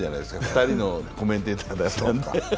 ２人のコメンテーターだと。